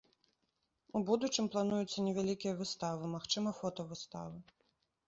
У будучым плануюцца невялікія выставы, магчыма фотавыставы.